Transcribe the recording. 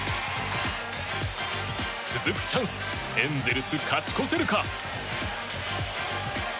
続くチャンスエンゼルス、勝ち越せるか。